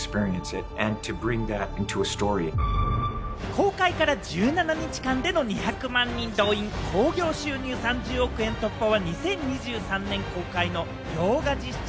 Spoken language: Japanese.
公開から１７日間での２００万人動員、興行収入３０億円突破は２０２３年公開の洋画実写